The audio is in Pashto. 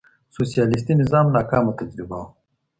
سوسياليستي نظام ناکامه تجربه وه.